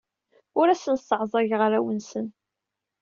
Ur asen-sseɛẓageɣ arraw-nsen.